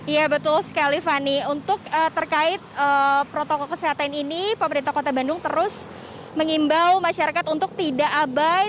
ya betul sekali fani untuk terkait protokol kesehatan ini pemerintah kota bandung terus mengimbau masyarakat untuk tidak abai